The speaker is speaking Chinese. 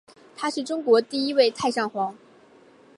他是中国第一位太上皇。